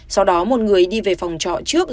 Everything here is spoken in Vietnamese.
sau đó một người đi về phòng trọ trước